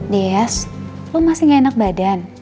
dias lo masih gak enak badan